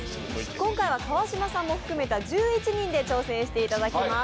今回は川島さんも含めた１１人で挑戦していただきます。